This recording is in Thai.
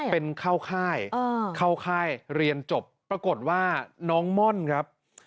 เป็นเข้าค่ายเรียนจบปรากฏว่าน้องม่อนครับ